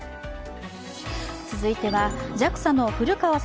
続いては、ＪＡＸＡの古川聡